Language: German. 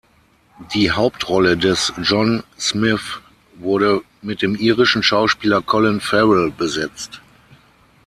Die Hauptrolle des John Smith wurde mit dem irischen Schauspieler Colin Farrell besetzt.